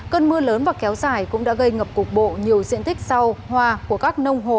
cơn mưa lớn và kéo dài cũng đã gây ngập cục bộ nhiều diện tích rau hoa của các nông hồ